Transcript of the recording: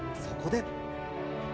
そこで。